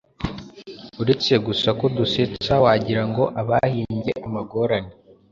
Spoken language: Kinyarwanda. uretse gusa ko dusetsa wagirango abahimbye amagorane